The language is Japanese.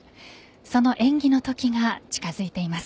その演技の時が近づいています。